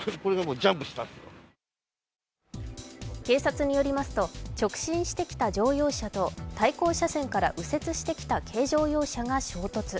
警察によりますと、直進してきた乗用車と対向車線から右折してきた軽乗用車が衝突。